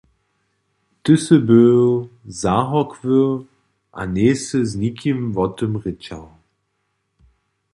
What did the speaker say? Ty sy był zahórkły a njejsy z nikim wo tym rěčał.